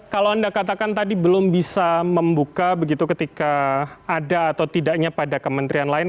kalau anda katakan tadi belum bisa membuka begitu ketika ada atau tidaknya pada kementerian lain